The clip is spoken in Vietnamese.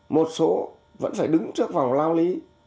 một số vẫn phải đứng trước vòng lao lý